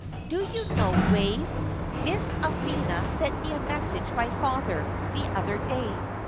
"Do you know, Wave, Miss Althea sent me a message by father the other day.